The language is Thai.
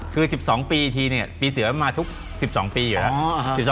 คือ๑๒ปีทีเนี่ยปีเสือมาทุก๑๒ปีอยู่แล้ว